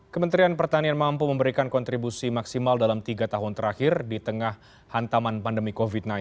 kementerian pertanian mampu memberikan kontribusi maksimal dalam tiga tahun terakhir di tengah hantaman pandemi covid sembilan belas